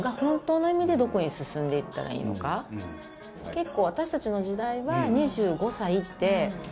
結構。